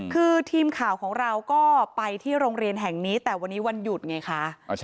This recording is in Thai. คือทีมข่าวของเราก็ไปที่โรงเรียนแห่งนี้แต่วันนี้วันหยุดไงคะ